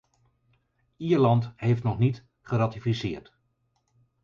Ierland heeft nog niet geratificeerd.